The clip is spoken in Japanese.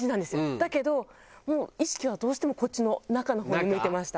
だけどもう意識はどうしてもこっちの中の方に向いてました。